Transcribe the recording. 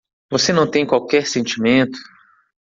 Você não tem qualquer sentimento?